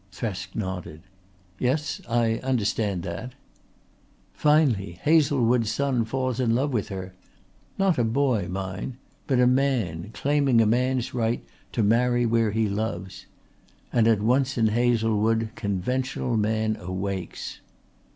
Thresk nodded. "Yes, I understand that." "Finally, Hazlewood's son falls in love with her not a boy mind, but a man claiming a man's right to marry where he loves. And at once in Hazlewood conventional man awakes."